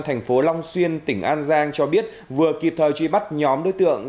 thành phố long xuyên tỉnh an giang cho biết vừa kịp thời truy bắt nhóm đối tượng